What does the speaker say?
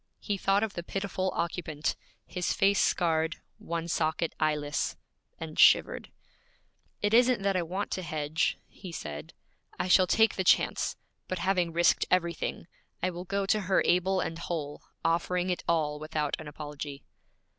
He thought of the pitiful occupant his face scarred, one socket eyeless and shivered. 'It isn't that I want to hedge,' he said. 'I shall take the chance; but having risked everything, I will go to her able and whole, offering it all without an apology.'